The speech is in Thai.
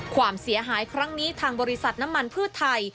ความเสียหายครั้งนี้ทางบริษัทน้ำมันพืชไทย